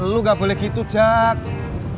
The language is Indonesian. lu gak boleh gitu jack